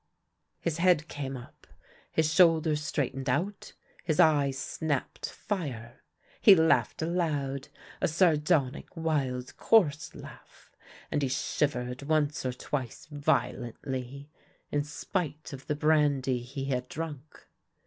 His head came up, his shoulders straightened out, his eyes snapped fire. He laughed aloud, a sardonic, wild, coarse laugh, and he shivered once or twice violently, in spite of the brandy he had drunk.